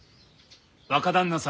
若旦那様